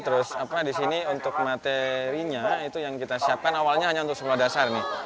terus apa di sini untuk materinya itu yang kita siapkan awalnya hanya untuk sekolah dasar nih